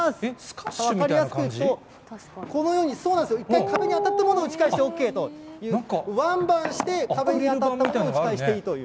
分かりやすくいうと、このように、そうなんです、一回壁に当たったものを打ち返してＯＫという、ワンバンして壁に当たったものを打ち返していいという。